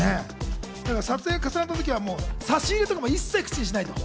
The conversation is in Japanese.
撮影重なった時は差し入れなんかも一切、口にしないと。